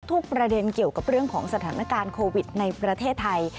ประเด็นเกี่ยวกับเรื่องของสถานการณ์โควิดในประเทศไทย